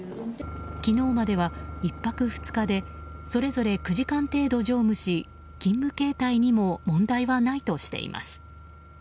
昨日までは１泊２日でそれぞれ９時間程度、乗務し勤務形態にも問題はないとしています。